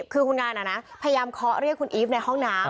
คือคุณงานพยายามเคาะเรียกคุณอีฟในห้องน้ำ